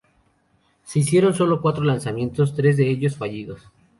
Se hicieron sólo cuatro lanzamientos, tres de ellos fallidos.